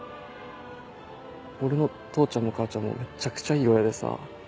俺の父ちゃんも母ちゃんもめちゃくちゃいい親でさ。